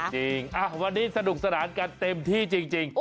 จริงวันนี้สนุกสนานกันเต็มที่จริง